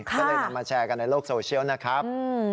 ก็เลยนำมาแชร์กันในโลกโซเชียลนะครับ